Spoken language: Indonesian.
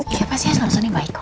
iya pasti ya selalu senang baik kok